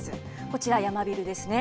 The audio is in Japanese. こちら、ヤマビルですね。